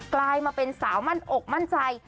กลายมาเป็นสาวมั่นอกมั่นใจ